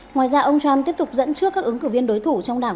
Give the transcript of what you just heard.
ngoài ra ông trump tiếp tục dẫn trước các ứng cử viên đối thủ trong đảng